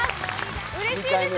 うれしいです